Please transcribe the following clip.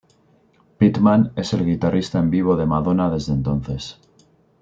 Pittman es el guitarrista en vivo de Madonna desde entonces.